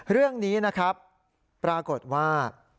เรื่องนี้นะครับปรากฏว่า